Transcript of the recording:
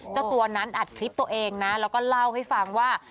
เจ้าตัวนั้นอัดคลิปตัวเองนะแล้วก็เล่าให้ฟังว่า